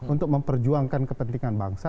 untuk memperjuangkan kepentingan bangsa